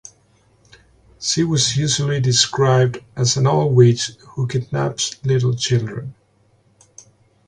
She was usually described as an old witch who kidnaps little children.